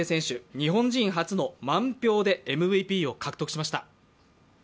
日本人初の満票でＭＶＰを獲得しました。